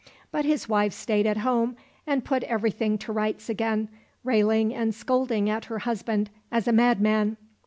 But his wife stayed at home and put everything to rights again, railing and scolding at her husband as a madman.